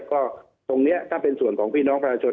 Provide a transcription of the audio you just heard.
ก็ตรงนี้ถ้าเป็นส่วนของพี่น้องประชาชน